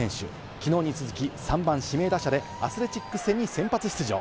昨日に続き、３番・指名打者でアスレチックス戦に先発出場。